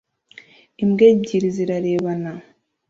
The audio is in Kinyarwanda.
Imbwa ebyiri zirarebana